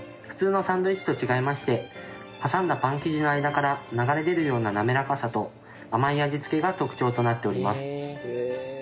普通のサンドイッチと違いまして挟んだパン生地の間から流れ出るようななめらかさと甘い味付けが特徴となっております。